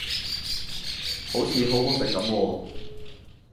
好似好好食咁喎